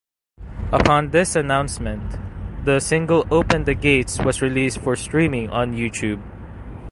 Upon this announcement, the single "Open the Gates" was released for streaming on YouTube.